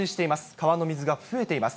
川の水が増えています。